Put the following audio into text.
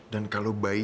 sampai jumpa lagi